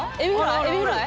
エビフライ？